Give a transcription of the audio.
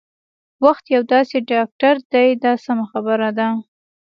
وخت یو داسې ډاکټر دی دا سمه خبره ده.